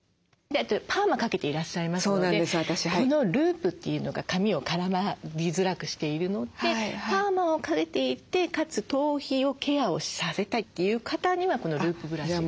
パーマかけていらっしゃいますのでこのループというのが髪を絡みづらくしているのでパーマをかけていてかつ頭皮をケアをされたいという方にはこのループブラシ。